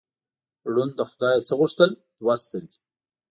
ړوند له خدایه څه غوښتل؟ دوه سترګې.